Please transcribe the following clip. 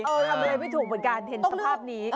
เออเอาไว้ไม่ถูกเป็นการเห็นสภาพนี้